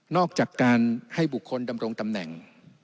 อกจากการให้บุคคลดำรงตำแหน่ง